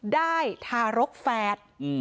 ได้ทารกแฟด